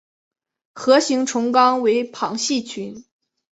核形虫纲为旁系群。